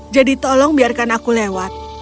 jadi tolong biarkan aku lewat